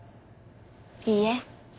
いいえ。